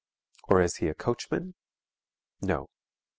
Or is he a coachman? No.